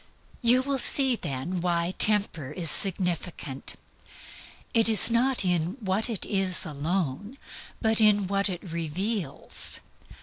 You will see then why Temper is significant. It is not in what it is alone, but in what it reveals.